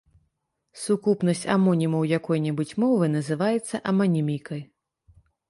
Сукупнасць амонімаў якой-небудзь мовы называецца аманімікай.